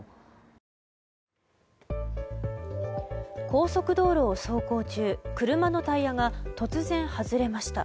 高速道路を走行中車のタイヤが突然外れました。